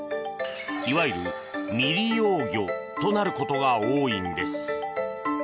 いわゆる未利用魚となることが多いんです。